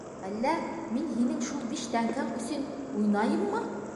Әллә мин һинең шул биш тәңкәң өсөн уйнайыммы?